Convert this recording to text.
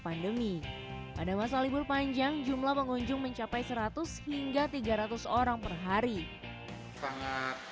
pandemi pada masa libur panjang jumlah pengunjung mencapai seratus hingga tiga ratus orang perhari sangat